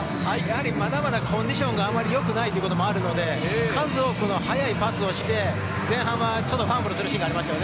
まだまだコンディションがあまりよくないということもあるので、速いパスをして、前半はファンブルするシーンがありました。